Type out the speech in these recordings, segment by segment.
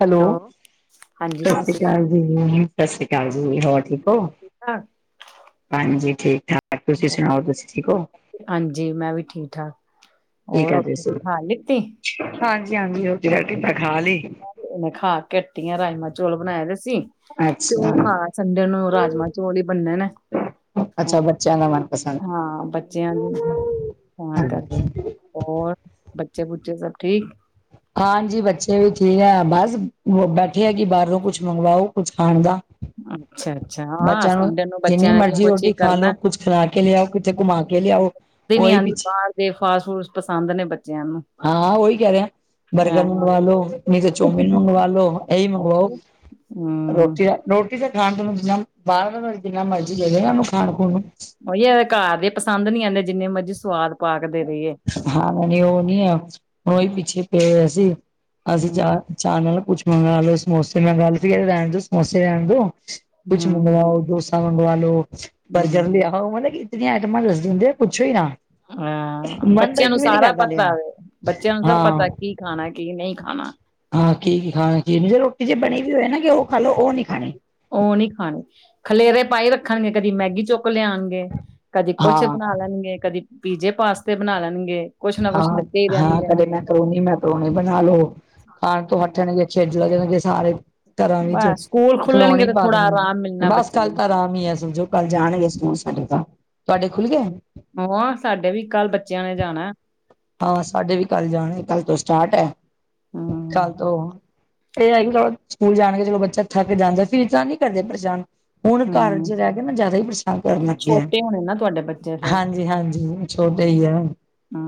Hello. ਹਾਂਜੀ ਸਤਿ ਸਸ ਸੀ ਸ੍ਰੀ ਅਕਾਲ ਕਾਲ ਜੀ, ਸਤਿ ਸ੍ਰੀ ਅਕਾਲ ਜੀ, ਹੋਰ ਠੀਕ ਹੋ? ਹਾਂਜੀ ਠੀਕ ਠਾਕ, ਤੁਸੀਂ ਸੁਣਾਓ, ਤੁਸੀਂ ਠੀਕ ਓ? ਹਾਂਜੀ ਮੈਂ ਵੀ ਠੀਕ-ਠਾਕ। ਕੀ ਕਰਦੇ ਸੀ ਹੁਣ? ਹਾਂਜੀ ਹਾਂਜੀ ਰੋਟੀ-ਰਾਟੀ ਤਾ ਖਾ ਲਈ। ਹੁਣੇ ਖਾ ਕੇ ਹਟੀ ਆ, ਰਾਜਮਾਂਹ, ਚੋਲ ਬਣਾਏ ਦੇ ਸੀ। ਤੇ ਅੱਛਾ ਉਹ ਖਾ, ਸੰਡੇ ਨੂੰ ਰਾਜਮਾਂ-ਚੋਲ ਹੀ ਬੰਨਣੇ ਨੇ। ਅੱਛਾ ਬੱਚਿਆਂ ਦਾ ਮਨਪਸੰਦ ਹਾਂ ਬੱਚਿਆਂ ਦੇ ਤਾਂ ਕਰਕੇ। ਹੋਰ, ਬੱਚੇ ਬੁੱਚੇ ਸਭ ਠੀਕ? ਹਾਂਜੀ ਬੱਚੇ ਵੀ ਠੀਕ ਆ ਬਸ ਬੈਠੇ ਆ ਕਿ ਬਾਹਰੋਂ ਕੁਛ ਮੰਗਵਾਓ, ਕੁਛ ਖਾਣ ਦਾ। ਅੱਛਾ ਅੱਛਾ [inaudible] ਹਾਂ ਬੱਚਿਆਂ ਨੂੰ ਸੰਡੇ ਬੱਚਿਆਂ ਜਿੰਨੀ ਨੇ ਇਹੀਓ ਮਰਜ਼ੀ ਕੁਛ ਹੀ ਰੋਟੀ ਖਾ ਕਰਨਾ ਲਓ ਕੁਛ ਖਿਲਾ ਕੇ ਲਿਆਓ, ਕਿਤੇ ਘੁਮਾ ਕੇ ਲਿਆਓ। ਕਿਤੇ ਨੀ ਉਹੀ ਆਂਦੀ, ਪਿੱਛੇ ਬਾਰ ਦੇ ਫਾਸਟ ਫੂਡ ਪਸੰਦ ਨੇ ਬੱਚਿਆਂ ਨੂੰ। ਹਾਂ ਉਹੀ ਕੈਅ ਰਹੇ ਆ। ਬਰਗਰ ਮੰਗਵਾ ਲੋ, ਨਹੀਂ ਤੇ ਚੋਮਿਨ ਮੰਗਵਾ ਲੋ, ਇਹੀ ਮੰਗਵਾਓ, ਹਮ ਰੋਟੀ ਰੋਟੀ ਤੇ ਖਾਣ ਤੋਂ, ਬਾਹਰ ਦਾ ਜਿੰਨਾ ਭਾਵੇਂ ਮਰਜ਼ੀ ਦੇਦੇ ਨਾ ਨੂੰ ਇਹਨੂੰ ਖਾਣ ਖੂਣ ਨੂੰ। ਉਹੀ ਐ ਘਰ ਦੇ ਪਸੰਦ ਨੀ ਆਂਦੇ ਜਿੰਨੇ ਮਰਜੀ ਸਵਾਦ ਪਾ ਕੇ ਦੇ ਦੇਈਏ। ਹਾਂ ਨਹੀਂ ਉ ਨੀ ਆ, ਉਹੀ ਪਿੱਛੇ ਪਏ ਹੋਏ ਸੀ, ਅਸੀਂ ਚਾ ਹੂੰ ਚਾਹ ਨਾਲ ਕੁਛ ਮੰਗਾ ਲੋ, ਸਮੋਸੇ ਮੰਗਾ ਲੋ, [inaudible] ਰਹਿਣ ਦੋ ਸਮੋਸੇ ਰੈਨ ਦੋ। ਕੁਛ ਹੂੰ ਮੰਗਵਾਓ, ਡੋਸਾ ਮੰਗਵਾ ਲੋ, ਬਰਗਰ ਹੂੰ ਲਿਆਓ, ਹਨਾ ਕਿ ਕਿਹੜੀਆਂ ਆਈਟਮਾਂ ਦੱਸ ਦਿੰਦੇ ਆ ਪੁੱਛੋ ਹੀ ਨਾ। ਹਾਂ, ਮਨ ਤਾਂ ਬੱਚਿਆਂ ਇੱਕ ਨੂੰ ਵੀ ਨੀ ਸਾਰਾ ਕਰਦਾ ਪਤਾ ਲਿਆਣ ਵੇ, ਬੱਚਿਆਂ ਨੂੰ ਸਭ ਹਾਂ ਪਤਾ ਕੀ ਖਾਣਾ ਕੀ ਨਹੀਂ ਖਾਣਾ। ਹਾਂ ਕੀ ਕੀ ਖਾਣਾ ਕਿ ਨਹੀ ਰੋਟੀ ਜੇ ਬਣੀ ਵੀ ਹੋਏ ਨਾ ਕਿ ਉਹ ਖਾ ਲਓ ਉਹ ਨੀ ਖਾਣੀ। ਉਹ ਨਹੀ ਖਾਣੀ, ਖਲੇਰੇ ਪਾਾਈ ਰੱਖਣਗੇ ਕਦੀ ਮੈਗੀ ਚੁੱਕ ਲਿਆਉਣਗੇ। ਕਦੀ ਕੁਛ ਹਾਂ ਬਣਾ ਲੈਣਗੇ, ਕਦੀ ਪੀਜੇ, ਪਾਸਤੇ ਬਣਾ ਲੈਣਗੇ। ਕੁਛ ਨਾ ਕੁਛ ਹਾਂ ਲੱਗੇ ਹੀ ਹਾਂ ਰਹਿੰਦੇ ਕਦੇ ਹੈਗੇ ਨੇ। ਮੈਕਰੋਨੀ ਮੈਕਰੋਨੀ ਬਣਾ ਲਓ, ਖਾਣ ਤੋਂ ਹਟਣਗੇ ਖੇਡਣ ਲੱਗਣਗੇ ਸਾਰੇ ਘਰਾਂ ਵਿੱਚ ਬਸ ਸਕੂਲ ਖੁੱਲਣਗੇ ਖਿਲੋਣੀ ਤੇ ਪਾ ਥੋੜਾ ਆਰਾਮ ਦੇਣਗੇ ਮਿਲਣਾ ਬਸ ਬੱਚੇ ਗੱਲ ਨੂੰ। ਤਾਂ ਈ ਐ ਕੱਲ ਜਾਣਗੇ ਸਕੂਲ ਸਾਡੇ ਤਾਂ, ਤੁਹਾਡੇ ਖੁੱਲ੍ਹ ਗਏ। ਸਾਡੇ ਵੀ ਕੱਲ ਬੱਚਿਆਂ ਨੇ ਜਾਣਾ। ਹਾਂ ਸਾਡੇ ਵੀ ਕੱਲ ਜਾਣੇ ਕੱਲ ਤੋਂ ਸਟਾਰਟ ਐ, ਹੂੰ ਕੱਲ ਤੋਂ ਇਹ ਹੈ ਕਿ ਚਲੋ ਸਕੂਲ ਜਾਣਗੇ ਚਲੋ ਬੱਚਾ ਥੱਕ ਜਾਂਦਾ ਫਿਰ ਤਾਂ ਨਹੀ ਕਰਦੇ ਪਰੇਸ਼ਾਨ, ਹੁਣ ਹੂੰ ਘਰ'ਚ ਰਹਿ ਕੇ ਹੁਣ ਨਾ ਜ਼ਿਆਦਾ ਹੀ ਪਰੇਸ਼ਾਨ ਕਰਨ ਲੱਗ ਗਿਆ, ਛੋਟੇ ਹੋਣੇ ਨਾ ਤੁਹਾਡੇ ਬੱਚੇ ਫਿਰ ਹਾਂਜੀ ਹਾਂਜੀ ਛੋਟੇ ਹੀ ਆ। ਊ।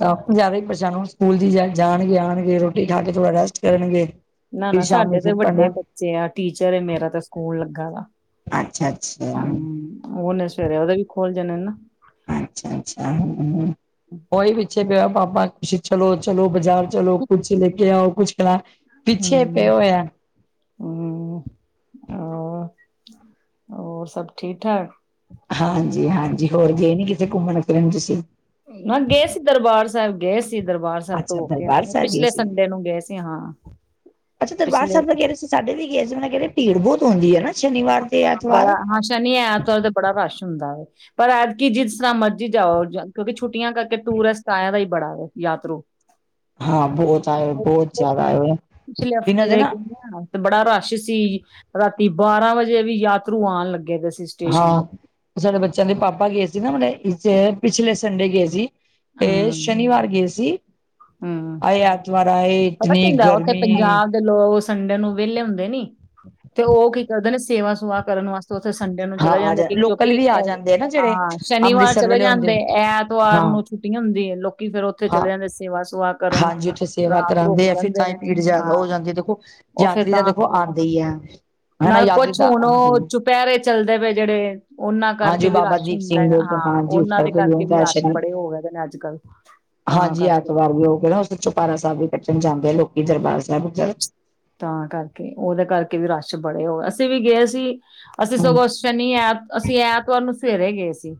ਤਾਂ ਆਪ ਜ਼ਿਆਦਾ ਹੀ ਪਰੇਸ਼ਾਨ ਹੁਣ ਸਕੂਲ ਦੀ ਜਾ ਜਾਣਗੇ, ਆਉਣਗੇ ਰੋਟੀ ਖਾ ਕੇ ਥੋੜ੍ਹਾ ਰੈਸਟ ਕਰਨਗੇ। ਨਾ ਫਿਰ ਨਾ ਸ਼ਾਮੀ ਸਾਡੇ ਤੇ ਫਿਰ ਵੱਡੇ ਪੜ੍ਹਨਾ ਬੱਚੇ ਆ ਟੀਚਰ ਮੇਰਾ ਤਾਂ ਸਕੂਲ ਲੱਗਾ ਦਾ। ਅੱਛਾ ਅੱਛਾ। ਸਕੂਲ ਨੇ ਸਵੇਰੇ ਓਦੇ ਵੀ ਖੋਲ ਜਾਣੇ ਨਾ। ਅੱਛਾ-ਅੱਛਾ, ਹੂੰ। ਓਈ ਪਿੱਛੇ ਪਿਆ ਪਾਪਾ ਤੁਸੀ ਚਲੋ-ਚਲੋ ਬਾਜ਼ਾਰ ਚਲੋ ਕੁਛ ਲੇ ਕੇ ਆਓ, ਕੁਛ ਖਲਾ ਹਾਂਜੀ। ਹੂੰ-ਹੂੰ, ਹੋਰ ਸਭ ਠੀਕ-ਠਾਕ? ਹਾਂਜੀ-ਹਾਂਜੀ, ਹੋਰ ਗਏ ਨੀ ਕਿਤੇੇ ਘੁੰਮਣ ਫਿਰਨ ਤੁਸੀਂ? ਨਾ ਗਏ ਸੀ ਦਰਬਾਰ ਸੈਬ ਗਏ ਸੀ ਗਏ ਸੀ ਦਰਬਾਰ ਸੈਬ ਤੋਂ ਅੱਛਾ ਹੋ ਕੇ ਆ ਦਰਬਾਰ ਗਏ, ਸਾਹਿਬ ਪਿਛਲੇ ਸੀ ਸੰਡੇ ਨੂੰ ਗਏ ਸੀ ਹਾਂ, ਅੱਛਾ ਦਰਬਾਰ ਪਿਛਲੇ ਸਾਹਿਬ ਦਾ ਕਹਿ ਰਹੇ ਸੀ ਸਾਡੇ ਵੀ ਗਏ ਸੀ, ਓ ਮੈਂ ਕੈ ਰੀ ਭੀੜ ਬੋਤ ਹੁੰਦੀ ਏ ਨਾ ਸ਼ਨੀਵਾਰ ਤੇ ਬੜਾ ਐਤਵਾਰ। ਹਾਂ ਸ਼ਨੀ, ਐਤਵਾਰ ਤੇ ਬੜਾ ਰਸ਼ ਹੁੰਦਾ ਵੇ ਪਰ ਐਤਕੀ ਜਿਸ ਤਰ੍ਹਾਂ ਮਰਜ਼ੀ ਜਾਓ ਕਿਉਂਕਿ ਛੁੱਟੀਆਂ ਕਰਕੇ ਟੂਰਿਸਟ ਆਇਆ ਦਾ ਈ ਬੜਾ ਵੇ ਯਾਤਰੂ। ਹਾਂ ਬਹੁਤ ਆਏ ਹੋਏ, ਬਹੁਤ ਜਾਦਾ ਆਏ ਹੋਏ ਆ। ਪਿਛਲੇ ਇਨਾਂ ਦੇ ਹਫ਼ਤੇ ਨਾ ਗਏ ਆ ਤੇ ਬੜਾ ਰਸ਼ ਸੀ, ਰਾਤੀ ਬਾਰਾਂ ਵਜੇ ਵੀ ਯਾਤਰੂ ਆਨ ਲੱਗੇ ਦੇ ਸੀ ਸਟੇਸ਼ਨ ਹਾਂ, ਤੇ ਓ ਸਾਡੇ ਬੱਚਿਆਂ ਦੇ ਪਾਪਾ ਗਏ ਸੀ ਨਾ ਹੁਣੇ ਇਸ ਪਿਛਲੇ ਸੰਡੇ ਗਏ ਸੀ ਏ ਹੂੰ ਸ਼ਨੀਵਾਰ ਗਏ ਸੀ ਹੂੰ ਆਏ ਐਤਵਾਰ ਆਏ ਇਤਨੀ ਗਰਮੀ। ਤੇ ਲੋਗ ਸੰਡੇ ਨੂੰ ਵੇਲੇ ਹੁੰਦੇ ਨੀ ਤੇ ਓ ਕੀ ਕਰਦੇ ਨੇ ਸੇਵਾ- ਸੂਵਾ ਕਰਨ ਵਾਸ ਤੇ ਉੱਥੇ ਸੰਡੇ ਨੂੰ ਹਾਂ ਚਲੇ ਆ ਜਾਂਦੇ ਜਾ ਕਿ ਲੋਕਲ ਕਿਉਂਕਿ ਵੀ ਆ ਅ ਜਾਂਦੇ ਆ ਨਾ ਜਿਹੜੇ ਐ ਸ਼ਨੀਵਾਰ ਅੰਮ੍ਰਿਤਸਰ ਚਲੇ ਵਾਲੇ ਹੁੰਦੇ ਜਾਂਦੇ ਐਤਵਾਰ ਹਾਂ ਨੂੰ ਛੁੱਟੀ ਹੁੰਦੀ ਏ ਲੋਕੀਂ ਫਿਰ ਉੱਥੇ ਹਾਂ ਚਲੇ ਜਾਂਦੇ ਸੇਵਾ ਸੁਵਾ ਕਰਨ ਹਾਂਜੀ, ਉੱਥੇ ਸੇਵਾ ਰਾਤ ਰੁਕ ਕਰਾਂਦੇ ਆ ਫਿਰ ਜਾਂਦੇ ਤਾਂ ਈ ਨੇ ਭੀੜ ਜਾਦਾ ਹਾਂ ਹੋ ਜਾਂਦੀ ਏ ਦੇਖੋ ਉਹ ਫੇਰ ਯਾਤਰੀ ਤਾਂ ਦੇ ਓ ਭੀੜ ਆਂਦੀ ਆ। ਨਾਲ ਕੁਛ ਹੁਣ ਓ ਚੁਪੈਰੇ ਚੱਲਦੇ ਪਏ ਜੇੜੇ ਓਨਾਂ ਕਰਕੇ ਹਾਂਜੀ ਵੀ ਬਾਬਾ ਰਸ਼ ਹੁੰ ਦੀਪ ਸਿੰਘ ਦੈ, ਦੇ ਤੋਂ ਹਾਂ ਹਾਂਜੀ ਉਸ ਓਨਾਂ ਦੇ ਕਰਕੇ ਵੀ ਹੁੰਦਾ ਰਸ਼ ਸ਼ਨੀ ਬੜੇ ਹੋ ਰਏ ਦੇ ਨੇ ਅੱਜ ਕੱਲ। ਤਾਂ ਹਾਂਜੀ ਕਰਕੇ ਐਤਵਾਰ ਵੀ ਓ ਕੇੜਾ ਓਦਰ ਚੋਪੈਰਾ ਸੈਬ ਵੀ ਕੱਟਣ ਜਾਂਦੇ ਆ ਲੋਕੀ ਦਰਬਾਰ ਸੈਬ ਓਦਰ ਤਾਂ ਕਰਕੇ ਓਦੇ ਕਰਕੇ ਵੀ ਰਸ਼ ਬੜੇ ਹੋ, ਅਸੀਂ ਵੀ ਗਏ ਸੀ ਅਸੀਂ ਹਮ ਸਗੋਂ ਸ਼ਨੀ, ਐਤ ਅਸੀਂ ਐਂਤਵਾਰ ਨੂੰ ਸਵੇਰੇ ਗੇ ਸੀ।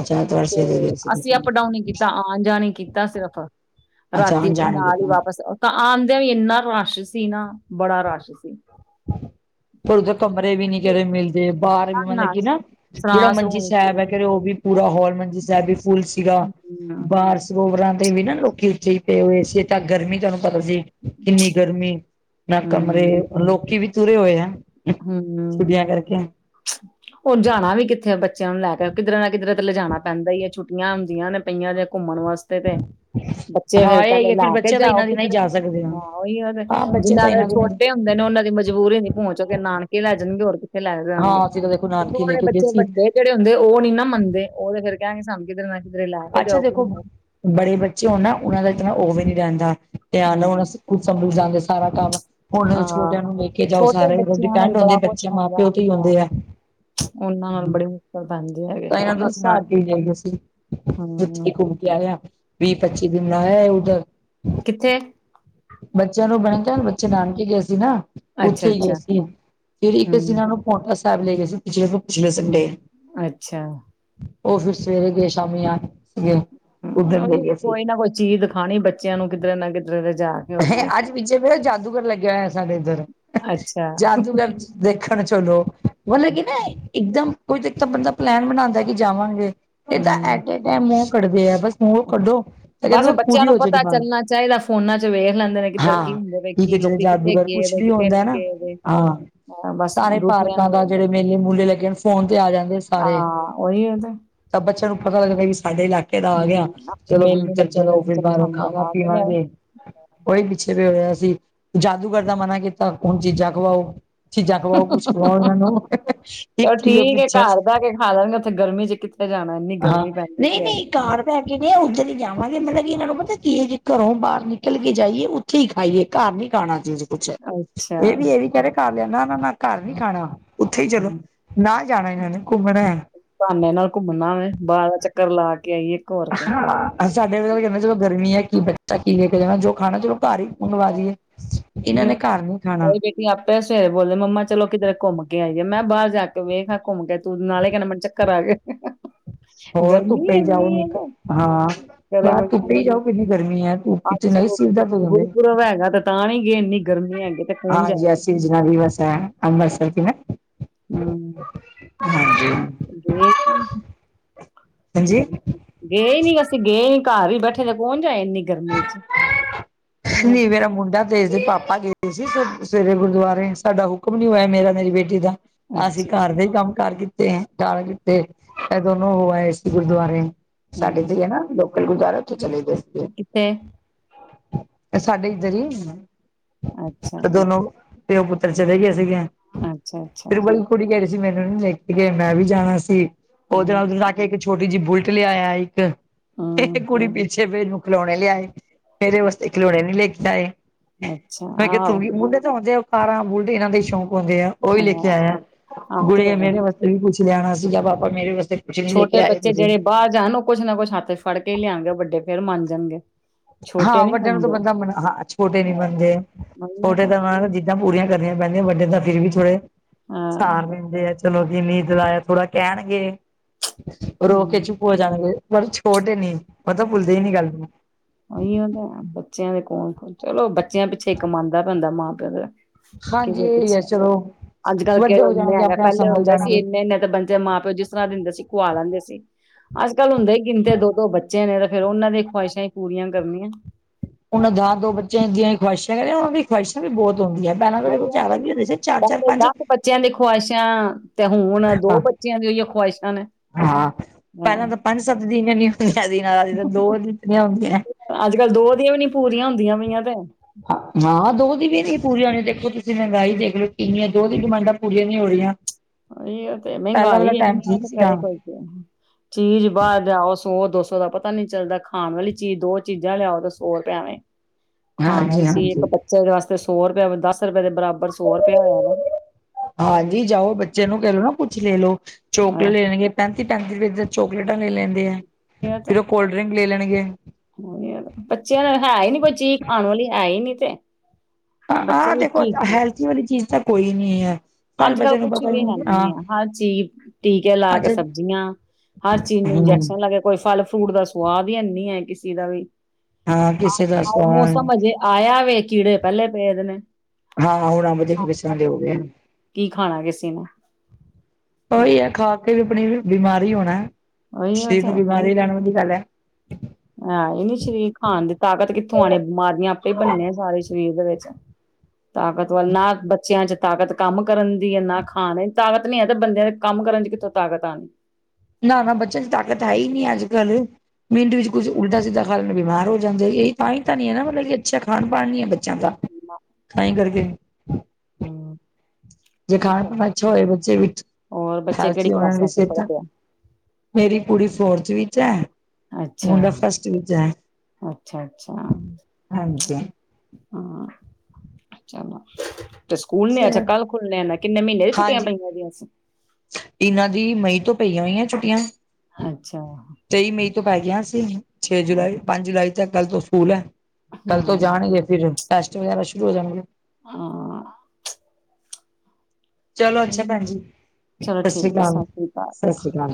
ਅੱਛਾ ਐਤਵਾਰ ਸਵੇਰੇ ਹੂੰ, ਗਏ ਸੀ ਅਸੀਂ ਤੁਸੀਂ ਅਪ ਡਾਊਨ ਈ ਕੀਤਾ ਆਣ-ਜਾਣ ਈ ਕੀਤਾ ਸਿਰਫ, ਅੱਛਾ ਰਾਤੀ ਅਸੀਂ ਅਣਜਾਣੇ ਨਾਲ ਈ ਕੀਤਾ ਵਾਪਸ ਤਾਂ ਆਂਦਿਆਂ ਵੀ ਇੰਨਾ ਰਸ਼ ਸੀ ਨਾ, ਬੜਾ ਰਸ਼ ਸੀ। ਫਿਰ ਉੱਧਰ ਕਮਰੇ ਵੀ ਨੀ ਜੇੜੇ ਮਿਲਦੇ ਬਾਅਰ ਵੀ ਮਲਬ ਕਿ ਨਾ ਜੇੜਾ ਸਰਾਂ ਮੰਜੀ ਸਰੂੰ ਚ ਸੈਬ ਐ ਫੇਰ ਓ ਵੀ ਪੂਰਾ ਹੋਲ ਮੰਜੀ ਸੈਬ ਵੀ ਫੁਲ ਸੀਗਾ, ਹਮ ਬਾਅਰ ਸਰੋਵਰਾਂ ਤੇ ਵੀ ਨਾ ਲੋ ਲੋਕੀ ਨੀਚੇ ਈ ਪਏ ਹੋਏ ਸੀ ਤਾਂ ਗਰਮੀ ਤੁਆਨੂੰ ਪਤਾ ਸੀ, ਕਿੰਨੀ ਗਰਮੀ, ਨਾ ਕਮਰੇ ਹਮ ਔਰ ਲੋਕੀ ਵੀ ਤੁਰੇ ਹੋਏ ਐ। ਹੂੰ। ਹ ਹੁਣ ਜਾਣਾ ਵੀ ਕਿੱਥੇ ਬੱਚਿਆਂ ਨੂੰ ਲੈ ਕੇ, ਕਿੱਧਰੇ ਨਾ ਕਿੱਧਰੇ ਤੇ ਲਿਜਾਣਾ ਪੈਂਦਾ ਈ ਐ ਛੁੱਟੀਆਂ ਹੁੰਦੀਆਂ ਨੇ ਪਈਆਂ ਨੇ ਘੁੰਮਣ ਵਾਸ ਵਾਸਤੇ ਤੇ, ਬੱਚੇ ਹਾਂ ਫੇਰ ਇਹ ਕਹਿੰਦੇ ਹੈ ਲੈ ਫਿਰ ਕੇ ਬੱਚੇ ਤਾਂ ਜਾਓ ਇਹਨਾਂ ਦੀ ਨਹੀਂ ਕਿਧਰੇ, ਜਾ ਸਕਦੇ ਆ ਹਾਂ ਓਈਓ ਤੇ ਹਾਂ ਬੱਚੇ ਜਿੰਨਾ ਤਾਂ ਦੇ ਇਹਨਾਂ ਛੋਟੇ ਹੁੰਦੇ ਨੇ ਓਨਾਂ ਦੀ ਮਜਬੂਰੀ ਨੀ ਹੋ ਚ ਕੇ ਨਾਨਕੇ ਲੈ ਜਾਣਗੇ ਹੋਰ ਕਿ ਲੈ ਜਾਣਗੇੋ ਹਾਂ ਅਸੀਂ ਤਾਂ ਦੇਖੋ ਤੇ ਨਾਨਕੇ ਲੈ ਥੋੜੇ ਕੇ ਗਏ ਬੱਚੇ ਸੀ ਵੱਡੇ ਜੇੜੇ ਹੁੰਦੇ ਓ ਨੀ ਨਾ ਮੰਨਦੇ ਓ ਤੇ ਫਿਰ ਕੈਂਣਗੇ ਸਾਨੂੰ ਕਿਤੇ ਨਾ ਕਿਧਰੇ ਲੈ ਕੇ ਅੱਛਾ ਜਾਓ ਦੇਖੋ ਘੁਮਾਓ ਬੜੇ ਬੱਚੇ ਹੋਨ ਨਾ ਓਨਾਂ ਦਾ ਇਤਨਾ ਓ ਵੀ ਨੀ ਰੈਂਦਾ ਧਿਆਨ ਓ ਨਾ ਹਮ, ਸ ਖੁੱਦ ਸਮਝ ਜਾਂਦੇ ਸਾਰਾ ਕੰਮ। ਹੁਣ ਹਾਂ ਛੋਟਿਆਂ ਨੂੰ ਵੇਖ ਕੇ ਜਾਓ ਛੋਟੇ ਸਾਰੇ ਬੱਚਿਆਂ ਨਾਲ ਡਿਪੈਂਡ ਹੁੰਦੇ ਬੜਾ ਕੁਛ ਬੱਚੇ ਮਾਂ- ਹੁੰਦਾ ਪਿਓ ਤੋਂ ਈ ਹੁੰਦੇ ਆ। ਹਾਂ, ਉਹਨਾਂ ਨਾਲ ਹੂੰ, ਬੜੀ ਮੁਸ਼ਕਲ ਪੈਂਦੀ ਹੈਗੇ ਪੈਲਾਂ ਤਾਂ ਨਹੀਂ ਅਸੀਂ ਸਾਡ ਨਾਨਕੇ ਹੀ ਜਾਈ ਦਾ ਸੀ ਹਾਂ ਬੱਚੇ ਘੁੰਮ ਕੇ ਆਇਆ ਵੀਅ, ਪੱਚੀ ਦਿਨ ਲਾ ਆਏ ਉਧਰ। ਕਿੱਥੇ ਬੱਚੇਆਂ ਨੂੰ ਬਣੇ ਕ ਬੱਚੇ ਨਾਨਕੇ ਗਏ ਸੀ ਨਾ। ਅੱਛਾ ਉੱਥੇ ਗਏ ਅੱਛਾ ਸੀ ਫਿਰ ਇੱਕ ਅਸੀਂ ਹਮ ਇਨਾਂ ਨੂੰ ਪੋਂਟਾ ਸਾਹਿਬ ਲੇ ਗਏ ਸੀ ਪਿਛਲੇ ਤੋਂ ਪਿਛਲੇ ਸੰਡੇ। ਅੱਛਾ। ਉਹ ਫੇਰ ਸਵੇਰੇ ਗਏ ਸ਼ਾਮੀ ਆ ਗਏ। ਉੱਧਰ ਲੈ ਹੁ ਸੀ ਕੋਈ ਨਾ ਕੋਈ ਚੀਜ਼ ਦਖਾਣੀ ਬੱਚੇਆਂ ਨੂੰ ਕਿਧਰੇ ਨਾ ਕਿਧਰੇ ਰਜਾ ਅੱਜ ਪਿਛੇ ਪੈੳ ਜਾਦੂਗਰ ਲੱਗਿਆ ਹੋਇਆ ਸਾਡੇ ਇੱਧਰ ਅੱਛਾ। ਜਾਦੂਗਰ ਵੇਖਣ ਚਲੋ ਮਲਬ ਕਿ ਨਾ ਇੱਕਦਮ ਕੋਈ ਇੱਕ ਤਾਂ ਬੰਦਾ ਪਲੈਨ ਬਣਾਦਾ ਕਿ ਜਾਵਾਂਗੇ ਇਹ ਤਾਂ ਹੂੰ, ਐਟ ਏ ਟਾਇਮ ਮੂੰਹ ਕੱਢਦੇ ਏ ਬਸ ਮੂੰਹ ਕੱਢੋ ਤੇ ਬਸ ਕਹਿੰਦੇ ਬੱਚਿਆਂ ਪੂਰੀ ਹੋ ਨੂੰ ਜੇਗੀ ਪਤਾ ਬਸ ਚੱਲਣਾ ਚਾਹੀਦਾ ਫੋਨਾਂ ਚ ਵੇਖ ਲੈਂਦੇ ਨੇ ਕਿੱਧਰ ਕੀ ਹੁੰਦੇ ਪਏ ਠੀਕ ਹੈ ਕੀ ਜਿਹੜੇ ਲੋਕੀ ਕਿੱਥੇ ਜਾਦੂਗਰ ਗਏ ਕੁਛ ਦੇ ਵੀ ਕਿੱਥੇ ਹੁੰਦਾ ਨਹੀਂ ਨਾ ਗਏ ਦੇ। ਹਾਂ ਹਾਂ ਬਸ ਸਾਰੇ ਦੂਸਰਿਆਂ ਪਾਰਕਾਂ ਨੂੰ ਦਾ ਲੱਗਦਾ। ਜੇਹੜੇ ਮੇਲੇ ਮੂਲੇ ਲੱਗੇ ਨੇ ਫੋਨ ਤੇ ਆ ਜਾਂਦੇ ਸਾਰੇ। ਹਾਂ ਉਹੀ ਹੈ ਤੇ ਤਾਂ ਬੱਚੇਆਂ ਨੂੰ ਪਤਾ ਲਗਦਾ ਵੀ ਸਾਡੇ ਲਾਕੇ ਇਹ ਤਾਂ ਆ ਹੂੰ ਗਿਆ ਆਪਣੇ ਚਲੋ ਮੇਲੇ ਫਿਊਚਰ ਲੱਗੇ ਦੇ ਚਲੋ ਸੀ ਫੇਰ ਬਾਹਰੋਂ ਸਾਨੂੰ ਖਾਵਾਂ ਦਿਖਾ ਕੇ ਲਿਆਓ। ਪੀਵਾਂਗੇ। ਉਹੀ ਪਿੱਛੇ ਪਿਆ ਹੋਇਆ ਸੀ ਜਾਦੂਗਰ ਦਾ ਮਨਾ ਕੀਤਾ ਹੁਣ ਚੀਜ਼ਾਂ ਖਵਾਓ। ਚੀਜਾ ਖਵਾਓ ਕੁਛ ਖਵਾਉ ਇਨ੍ਹਾਂ ਨੂੰ ਚਲੋ ਇਕ ਚੀਜ਼ ਦਾ ਠੀਕ ਏ ਪਿਛਾ ਘਰ ਬਹਿ ਕੇ ਖਾ ਲੈਣਗੇ ਉੱਥੇ ਗਰਮੀ ਚ ਕਿੱਥੇ ਜਾਣਾ ਇੰਨੀ ਹਾਂ ਗਰਮੀ ਪੈਂਦੀ ਨਹੀਂ ਪਈ ਨਹੀਂ ਹੈਗੀ। ਘਾਰ ਪੈ ਕੇ ਨੇ ਉੱਧਰ ਹੀ ਜਾਵਾਂਗੇ ਮਲਬ ਕਿ ਇਹਨਾਂ ਨੂੰ ਪਤਾ ਕੀ ਏ ਜੇ ਘਰੋ ਬਾਹਰ ਨਿਕ ਨਿਕਲ ਕੇ ਜਾਈਏ ਉੱਥੇ ਹੀ ਖਾਈਏ ਘਰ ਨੀ ਖਾਣਾ ਚੀਜ਼ ਕੁੱਛ ਅੱਛਾ। ਇਹ ਵੀ ਇਹ ਵੀ ਕਹਿ ਰਹੇ ਘਰ ਲਿਆ ਨਾ ਨਾ ਨਾ ਘਰ ਨੀ ਹੂੰ। ਖਾਣਾ ਉੱਥੇ ਹੀ ਚਲੋ ਨਾ ਜਾਣਾ ਇਹਨਾਂ ਨੇ ਘੁੰਮਣਾ ਬਹਾਨੇ ਨਾਲ ਘੁੰਮਣਾ ਵੇ ਬਾਹਰ ਦਾ ਚੱਕਰ ਲਾ ਕੇ ਆਈਏ। ਹੋਰ ਕੇ ਹਾਂ ਸਾਡੇ ਵਰਗੇ ਕਹਿੰਦੇ ਚਲੋ ਗਰਮੀ ਏ ਕੀ ਬੱਚਾ ਕੀ ਲੇ ਕੇ ਜਾਣਾ ਜੋ ਖਾਣਾ ਚਲੋ ਘਰ ਹੀ ਮੰਗਵਾ ਦੀ ਏ ਇਹਨਾਂ ਨੇ ਮੇਰੀ ਘਰ ਨੀ ਖਾਣਾ ਬੇਟੀ ਆਪੇ ਸਵੇਰੇ ਬੋਲਦੇ ਮੰਮਾ ਚਲੋ ਕਿਧਰੇ ਘੁੰਮ ਕੇ ਆਈਏ ਮੈਂ ਬਾਹਰ ਜਾ ਕੇ ਵੇਖ ਘੁੰਮ ਕੇ ਤੂੰ ਨਾਲੇ ਕਹਿਨਾ ਮੇਨ ਚੱਕ ਕਰ ਆਗੇ ਹੋਰ ਗਰਮੀ ਧੁੱਪੇ ਹੀ ਜਾਓ ਏਨੀ ਏ ਨਿਕ ਤੇ ਹਾਂ ਕਰੇ ਬਾਹਰ ਕੋਈ ਕੀ ਧੁੱਪੇ ਹੀ ਜਾਓ ਕਿੰਨੀ ਗਰਮੀ ਹੈ ਧੁੱਪ ਵਿੱਚ ਅੱਜ ਨਹੀਂ ਸਗੋਂ ਸਿਰ ਦਰਦ ਹੋ ਜਾਂਦੇ ਗੁਰਪੁਰਬ ਹੈਗਾ ਤੇ ਤਾਂ ਨਹੀਂ ਗਏ ਇੰਨੀ ਗਰਮੀ ਹੈਗੀ ਤੇ ਕੌਨ ਹਾਂਜੀ ਜਾਏ। ਅਸੀਂ ਦੀ ਵਸਾ ਅੰਬਰਸਰ ਕਿ ਨਾ [unintelligible] ਹੁ ਹਾਂਜੀ। [unintelligible] [unintelligible] [inaudible] ਹਾਂਜੀ ਗਰਮੀ ਗੇ ਨੀ ਅਸੀਂ ਗੇ ਨੀ ਘਰ ਈ ਬੈਠੇ ਰੇ ਕੌਨ ਜਾਏ ਇੰਨੀ ਗਰਮੀ ਚ ਕੁਛ ਹਮ ਨਹੀਂ ਮੇਰਾ ਮੁੰਡਾ ਤੇ ਇਸ ਦੇ ਪਾਪਾ ਗਏ ਸੀ ਸ ਸਵੇਰੇ ਗੁਰਦੁਆਰੇ ਸਾਡਾ ਹੁਕਮ ਨੀ ਹੋਇਆ ਮੇਰਾ ਮੇਰੀ ਬੇਟੀ ਦਾ ਅਸੀਂ ਅੱਛਾ ਘਰ ਦੇ ਹੀ ਕੰਮ ਕਾਰ ਕੀਤੇ ਏ ਜਾਣਾ ਕਿਥੇ ਇਹ ਦੋਨੋ ਹੋ ਆਏ ਸੀ ਗੁਰਦੁਆਰੇ। ਸਾਡੇ ਹਮ ਤੇ ਹੈ ਨਾ ਲੋਕਲ ਗੁਰਦੁਆਰਾ ਉੱਥੇ ਚਲੇ ਗਏ ਸੀਗੇ। ਕਿੱਥੇ ਤੇ ਸਾਡੇ ਇੱਧਰ ਹੀ ਅੱਛਾ ਤੇ ਦੋਨੋ ਪਿਓ ਪੁੱਤਰ ਚਲੇ ਗਏ ਸੀਗੇ ਅੱਛਾ-ਅੱਛਾ ਫਿਰ ਵਾਲੀ ਕੁੜੀ ਕਹਿ ਰਹੀ ਸੀ ਮੈਨੂੰ ਨੀ ਲੈਕੇ ਗੇ ਮੈਂ ਵੀ ਜਾਣਾ ਸੀ ਉਹਦੇ ਹਮ ਨਾਲ ਇੱਕ ਛੋਟੀ ਜਿ ਬੁਲਟ ਲਿਆਇਆ ਇੱਕ ਹਮ ਤੇ ਕੁੜੀ ਪਿੱਛੇ। ਤੇ ਫੇਰ ਏਨੂ ਖਿਲੌਣੇ ਲਿਆਏ ਮੇਰੇ ਵਾਸਤੇ ਖਿਲੌਣੇ ਨੀ ਲੇ ਕੇ ਆਏ। ਅੱਛਾ ਮੈਂ ਕਿਆ ਤੂੰ ਆਹੋ ਵੀ ਮੁੰਡੇ ਤੋਂ ੳਂਂਦੇ ਅੋ। ਕਾਰਾਂ, ਬੁਲਡ ਏਨਾਂ ਦੇ ਸ਼ੌਂਕ ਹੁੰਦੇ ਆ। ਉ ਵੀ ਲੇਕੇ ਅ ਆਇਆ [unintelligible] ਆ ਗੁੜ ਤੇ ਹੋ ਮੇਰੇ ਵਾਸ। ਤੂੰ ਵੀ ਕੁਛ ਲਿਆਣਾ ਸੀਗਾ ਪਾਪਾ ਮੇਰੇ ਵਾਸਤੇ। ਕੁਛ ਨੀ ਲੈ ਕੇ ਛੋਟੇ ਆਏ ਬੱਚੇ ਤੁਸੀਂ। ਜਿਹੜੇ ਬਾਰ ਜਾਣ ਨਾ ਉ ਕੁਛ ਨਾ ਕੁੱਛ ਹੱਥ ਚ ਫੜ ਕੇ ਲਿਆਣ ਗੇ। ਵੱਡੇ ਫੇਰ ਮੰਨ ਜਾਣਗੇ। ਛੋਟੇ ਹਾਂ, ਨੀ ਵੱਡਿਆਂ ਨੂੰ ਤਾਂ ਮੰਨਦੇ ਬੰਦਾ ਮਨਾ ਹਾਂ। ਛੋਟੇ ਨੀ ਮੰਨਦੇ ਛੋਟੇ ਤਾਂ ਮਾਣੋ ਜੀਦ ਜੀਦਾ ਪੂਰੀਆਂ ਕਰਨੀਆਂ ਪੈਂਦੀਆਂ, ਵੱਡੇ ਤਾਂ ਫੇਰ ਵੀ ਥੋੜ੍ਹੇ ਹਾਂ ਸਾਰ ਲੈਂਦੇ ਐ। ਤੇ ਲੋਬੀ ਨੀ ਕਰਾਇਆ ਥੋੜਾ ਕਹਿਣ ਗੇ। ਰੋ ਕੇ ਚੁੱ ਹਮ ਚੁੱਪ ਹੋ ਜਾਣ ਗੇ, ਪਰ ਛੋਟੇ ਨੀ ਓਤੇ ਭੁੱਲਦੇ ਨੀ ਗੱਲ ਨੂੰ। ਉਹੀ ਓਤਾ ਬੱਚਿਆਂ ਦੇ ਕੋਣ, ਚਲੋ ਬੱਚਿਆਂ ਪਿੱਛੇ ਈ ਕਮਾਨ ਦਾ ਪੈਂਦਾ ਮਾਂ-ਪਿਓ ਦਾ ਹਾਂਜੀ, ਓਹੀ ਐ ਚਲੋ। ਅੱਜ-ਕੱਲ੍ਹ ਵੱਡੇ ਕਿਹੜੇ ਹੋ ਏਨੇ ਜਾਣਗੇ ਹੈਗੇ ਐ, ਆਪਣੇ ਆਪ ਪੈਲੇ ਸੰਭਲ ਹੁੰਦੇ ਸੀ ਜਾਣਗੇ ਏਨੇ-ਏਨੇ ਤਾਂ ਬੰਜੇ ਮਾਂ-ਪਿਓ ਜਿਸ ਤਰਾ ਦਿੰਦੇ ਸੀ ਖੋਆ ਲੈਂਦੇ ਸੀ। ਅੱਜ-ਕੱਲ ਹੁੰਦੇ ਈ ਗਿਣਦੇ ਦੋ-ਦੋ ਬੱਚੇ ਨੇ ਤੇ ਫੇਰ ਉਹਨਾਂ ਦੀ ਖਵਾਇਸ਼ਾਂ ਈ ਪੂਰੀਆਂ ਕਰਨੀਆਂ। ਉਣਾ ਦਾਤ ਦੋ ਬੱਚਿਆਂ ਦੀਆਂ ਖੁਵਾਸ਼ਾ ਵੀ ਉਹਨਾਂ ਦੀ ਖਵਾਹਿਸ਼ਾਂ ਵੀ ਬੋਤ ਹੁੰਦੀਆ ਹਨ। ਪਹਿਲਾ ਤੇ ਸਗੋਂ ਉਹੀ ਜਿਆਦਾ ਆ ਵੀ ਹੋਣ ਦੇ ਸੀ ਚਾਰ-ਚਾਰ ਪਹਿਲੇ ਪੰਜ ਦਸ ਬੱਚਿਆਂ ਦੀ ਖ਼ਵਾਇਸ਼ਾਂ ਤੇ ਹੁਣ ਉਨਾ ਦੋ ਹਾਂ ਬੱਚਿਆਂ ਦੀ ੳਈ ਉ ਖ਼ਵਾਇਸ਼ਾਂ ਨੇ। ਹਾਂ ਪਹਿਲਾ ਤਾਂ ਪੰਜ-ਸੱਤ ਦੀਆ ਇੰਨੀਆ ਨੀ ਤਿਆਰੀਆਂ ਨਾ, ਜਿਨਾਂ ਦੋ ਦੀਆ ਹੁੰਦੀਆਂ ਐ। ਅੱਜ-ਕੱਲ੍ਹ ਦੋ ਦੀਆਂ ਵੀ ਨੀ ਪੂਰੀਆਂ ਹੁੰਦੀਆਂ ਪਈਆਂ ਤੇ। ਹਾਂ, ਦੋ ਦੀ ਵੀ ਨੀ ਪੂਰੀਆ ਹੋਣੀਆ। ਦੇਖਿੳ ਤੁਸੀਂ ਮਹੰਗਾਈ ਦੇਖ ਲਓ, ਕਿੰਨੀਆਂ ਦੋਹ ਦੀ ਡਿਮਾਂਡਾਂ। ਪੂਰੀਆਂ ਨੀ ਹੋ ਰੀਆਂ, ਉਹੀਓ ਤੇ ਪੈਲਾਂ ਵਾਲਾ ਮਹਿੰਗਾਈ ਟਾਈਮ ਇੰਨੀ ਹੈ ਠੀਕ ਤੇ ਸੀ ਗਾਂ। ਕਰੇ ਕੋਈ ਕੀ ਚੀਜ਼ ਬਾਰ ਜਾਓ, ਸੌ-ਦੋ ਸੋ ਦਾ ਪਤਾ ਨੀ ਚੱਲਦਾ। ਖਾਣ ਵਾਲੀ ਚੀਜ਼ ਦੋ ਚੀਜ਼ਾਂ ਲਿਆਓ ਤਾਂ ਸੌ ਰੁਪਿਆ ਐਵੇ। [inaudible] ਖਾਣਾ ਵਾਲੀ ਸੀ ਇੱਕ ਹਾਂਜੀ ਬੱਚੇ ਦੇ ਵਾਸਤੇ ਸੌ ਰੁਪਿਆ, ਦਸ ਰੁਪ ਦੇ ਬਰਾਬਰ ਸੌ ਰੁਪਿਆ ਹੋਇਆ ਵਾ। ਹਾਂਜੀ, ਜਾਓ ਬੱਚੇ ਨੂੰ ਕੈ ਲਓ ਨਾ, ਕੁੱਛ ਲੇ ਲੋ ਹਾਂ ਚੋਕਲੇਟ ਲੇਣਗੇ ਪੈਂਤੀ-ਪੈਂਤੀ ਰੁਪਏ ਦੀ ਚੋਕਲੇਟਾਂ ਲੇ ਲੈਂਦੇ ਐ। ਯਾ ਤੇ ਕੋਲਡ ਡਿ੍ੰਗ ਲੇ ਲਣਗੇ। ਹੂੰ ਏ ਤਾ, ਬੱਚਿਆਂ ਦਾ ਹੈ ਈ ਨੀ ਕੋਈ ਚੀਜ਼ ਖਾਣ ਵਾਲੀ ਹੈ ਈ ਨੀ ਤੇ। ਹਾਂ ਬੱਚੇ ਆਹ ਵੀ ਦੇਖੋ ਕੀ ਖਾਣ, ਹੈਲਥੀ ਵਾਲੀ ਚੀਜ਼ ਤਾਂ ਕੋਈ ਨੀ ਹੈ। ਸਾਰੇ ਅੱਜ-ਕੱਲ ਬੱਚਿਆਂ ਨੂੰ ਕੁਛ ਪਤਾ ਹੀ ਵੀ ਹੈ ਨਹੀਂ ਨੀ ਹਾਂ ਐ। ਹਰ ਚੀਜ਼ ਟੀਕੇ ਲਾ ਕੇ ਅੱਛਾ ਸਬਜ਼ੀਆਂ, ਹਰ ਚੀਜ਼ ਨੂੰ ਹੂੰ ਇੰਜੈਕਸ਼ਨ ਲੱਗੇ। ਕੋਈ ਫਲ-ਫਰੂਟ ਦਾ ਸਵਾਦ ਵੀ ਐਨੀ ਹੈ ਕਿਸੇ ਦਾ ਵੀ, ਹਾਂ ਕਿਸੇ ਦਾ ਸਵਾਦ ਮੌਸਮ ਹਜੇ ਆਇਆ ਵੇ ਕੀੜੇ ਪੈਲੇ ਪਏ ਹੁੰਦੇ ਨੇ। ਹਾਂ, ਹੋਰ ਅੰਬ ਦੇ ਵੇਸਣ ਦੇ ਹੋ ਗਏ। ਕੀ ਖਾਣਾ ਏ ਸੀ ਨੂੰ। ਉਈ ਐ, ਖਾ ਕੇ ਵੀ ਆਪਣੀ ਬਿਮਾਰ ਈ ਹੋਣਾ, ਉਹੀ ਉਹ ਸਰੀਰ ਤੇ ਨੂੰ ਬਿਮਾਰੀ ਲੈਣ ਵਾਲੀ ਗੱਲ ਐ। ਹੈ ਈ ਨੀ ਸਰੀਰ ਖਾਣ ਦੀ ਤਾਕਤ ਕਿੱਥੋਂ ਆਣੀ? ਬਿਮਾਰੀਆਂ ਆਪੇ ਹੀ ਬਣਨੀਆ ਸਾਰੇ ਸਰੀਰ ਦੇ ਵਿੱਚ। [inaudible] ਤਾਕਤ ਵਲ ਨਾ, ਬੱਚਿਆਂ' ਚ ਤਾਕਤ ਕੰਮ ਕਰਨ ਦੀ ਏ, ਨਾ ਖਾਣ ਤਾਕਤ ਨੀ ਹੈ। ਤੇ ਬੰਦੇਆਂ ਦੇ ਕੰਮ ਕਰਨ ਚ ਕਿੱਥੋਂ ਤਾਕਤ ਆਣੀ। ਨਾ-ਨਾ, ਬੱਚਿਆਂ ਚ ਤਾਕਤ ਹੈ ਈ ਨੀ ਅੱਜ-ਕੱਲ੍ਹ ਮਿੰਟ ਵਿੱਚ ਕੁਝ ਉਲਟਾ-ਸਿੱਧਾ ਖਾ ਲੈਣ, ਬਿਮਾਰ ਹੋ ਜਾਂਦੇ। ਏਈ ਤਾਈ ਤਾਂ ਨੀ ੲੈ ਨਾ, ਮਤਲਬ ਕਿ ਅੱਛਾ ਖਾਣ ਪਾਣ ਨਈ ਐ ਬੱਚਿਆਂ ਦਾ। [inaudible] ਨਈ ਕਰਕੇ। ਹਮ ਜੇ ਖਾਣਾ-ਪੀਣਾ ਅੱਛਾ ਹੋਏ ਬੱਚੇ ਵਿੱਚ, ਹੋਰ ਬੱਚੇ ਕਿਹੜੀ ਅੱਛੀ ਹੋਣ ਕਲਾਸਾਂ ਚ ਸੇਤਾ। ਪੜ੍ਹਦੇ ਆ ਮੇਰੀ ਕੁੜੀ ਫੋਰਥ ਵਿੱਚ ਐ। ਅੱਛਾ, ਅੱਛਾ-ਅੱਛਾ। ਹਾਂਜੀ ਹਾਂ ਚਲੋ। ਤੇ ਸਕੂਲ ਨੇ ਅੱਛਾ ਕੱਲ ਖੁੱਲਣਣੇ ਕਿੰਨੇ ਮੀਂਨੇਂ ਦੀ ਛੁੱਟੀਆਂ ਪਈਆਂ ਦੀਆਂ ਸੀ। ਈਨਾਂ ਦੀ ਮਈ ਤੋ ਪਈਆਂ ਹੋਈਆਂ ਛੁੱਟੀਆਂ। ਅੱਛਾ। ਤੇਈ ਮਈ ਤੋ ਪੈ ਗਿਆ ਸੀ, ਛੇ ਜੁਲਾਈ ਪੰਜ ਜੁਲਾਈ ਤੱਕ ਕੱਲ ਤੋ ਸਕੂਲ ਐ। ਕੱਲ ਤੋ ਹੂੰ ਜਾਣਗੇ ਫਿਰ ਟੈਸਟ ਵਗੈਰਾ ਸ਼ੁਰੂ ਹੋ ਜਾਣਗੇ। ਹਾਂ। ਚਲੋ ਅੱਛਾ ਭੈਣ ਜੀ, ਚਲੋ ਸਤਿ ਸ੍ਰੀ ਠੀਕ ਹੈ ਅਕਾਲ। ਸਤਿ ਸ੍ਰੀ ਅਕਾਲ ਸਤਿ ਸ੍ਰੀ ਅਕਾਲ।